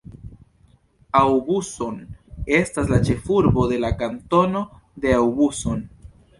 Aubusson estas la ĉefurbo de la kantono de Aubusson.